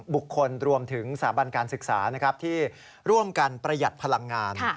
บุคคลรวมถึงสถาบันการศึกษาที่ร่วมกันประหยัดพลังงาน